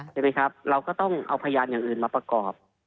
ใช่ไหมครับเราก็ต้องเอาพยานอย่างอื่นมาประกอบ